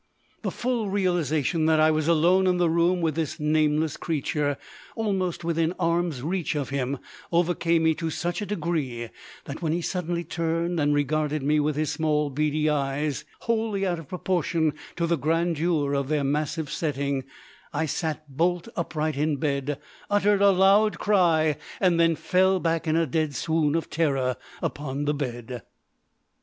The full realisation that I was alone in the room with this nameless creature, almost within arm's reach of him, overcame me to such a degree that, when he suddenly turned and regarded me with small beady eyes, wholly out of proportion to the grandeur of their massive setting, I sat bolt upright in bed, uttered a loud cry, and then fell back in a dead swoon of terror upon the bed.